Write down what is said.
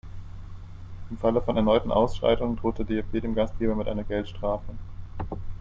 Im Falle von erneuten Ausschreitungen droht der DFB dem Gastgeber mit einer Geldstrafe.